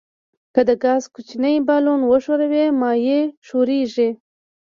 که د ګاز کوچنی بالون وښوروئ مایع ښوریږي.